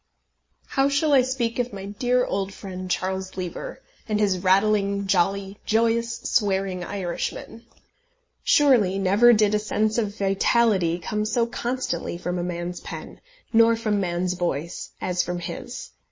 How shall I speak of my dear old friend Charles Lever, and his rattling, jolly, joyous, swearing Irishmen. Surely never did a sense of vitality come so constantly from a man's pen, nor from man's voice, as from his!